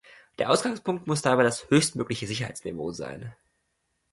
Der Ausgangspunkt muss dabei das höchstmögliche Sicherheitsniveau sein.